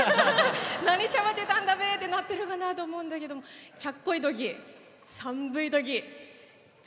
「何しゃべってたんだべ？」ってなってるかなと思うんだけどもちゃっこい時寒い時ストーブさ行ぐべした。